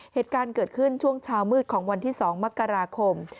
เหตุการณ์เกิดขึ้นช่วงเช้ามืดของวันที่๒มกราคม